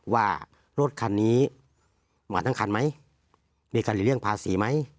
ว่ารถคันนี้มาทั้งคันไหมมีการหลีกเลี่ยงภาษีไหม